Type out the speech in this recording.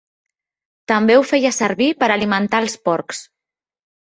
També ho feia servir per alimentar els porcs.